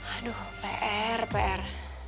aduh pr pr